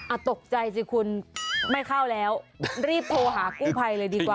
ตกใจสิคุณไม่เข้าแล้วรีบโทรหากู้ภัยเลยดีกว่า